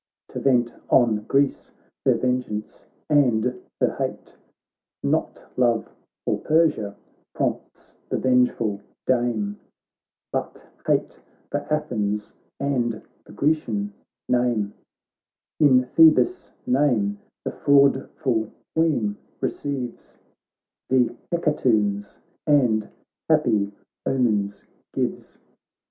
To vent on Greece her vengeance and her hate ; Not love for Persia prompts the venge ful dame, But hate for Athens, and the Grecian name : In Phoebus' name the fraudful Queen receives The hecatombs, and happy omens gives.